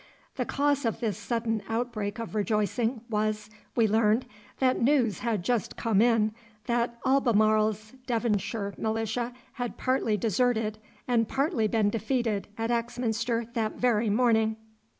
The cause of this sudden outbreak of rejoicing was, we learned, that news had just come in that Albemarle's Devonshire militia had partly deserted and partly been defeated at Axminster that very morning.